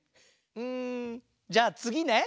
うんじゃあつぎね。